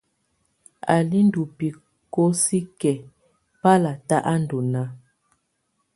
Á lɛ́ ndɔ́ bicoci kɛ̀á, balatá á ndɔ́ naá.